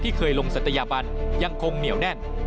เคยลงศัตยาบันยังคงเหนียวแน่น